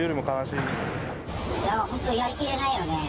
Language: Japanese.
本当、やりきれないよね。